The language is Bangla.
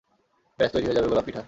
ব্যাস তৈরি হয়ে যাবে গোলাপ পিঠা।